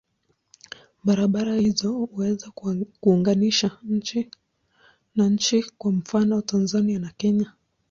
Barabara hizo huweza kuunganisha nchi na nchi, kwa mfano Tanzania na Kenya.